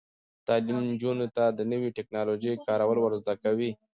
تعلیم نجونو ته د نوي ټیکنالوژۍ کارول ور زده کوي.